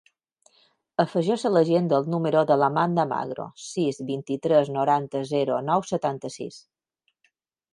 Afegeix a l'agenda el número de l'Amanda Magro: sis, vint-i-tres, noranta, zero, nou, setanta-sis.